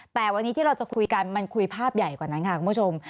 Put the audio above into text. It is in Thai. แต่วันนี้ที่เราจะคุยกันมันคุยภาพใหญ่กว่านั้นค่ะคุณผู้ชม